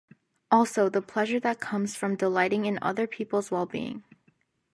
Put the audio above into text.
Also: the pleasure that comes from delighting in other people's well-being.